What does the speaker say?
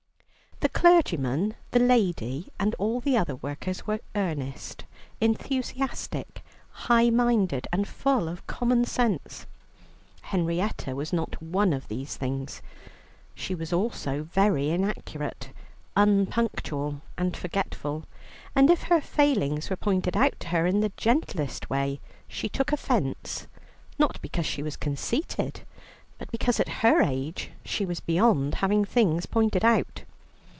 The clergyman, the lady, and all the other workers, were earnest, enthusiastic, high minded, and full of common sense. Henrietta was not one of these things. She was also very inaccurate, unpunctual, and forgetful, and if her failings were pointed out to her in the gentlest way she took offence, not because she was conceited, but because at her age she was beyond having things pointed out.